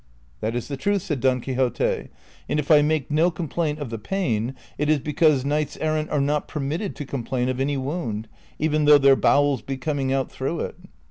" That is the truth," said Don Quixote, " and if I make no complaint of the pain it is because knights errant are not per ndtted to complain of any wound, even though their bowels be coming out through it."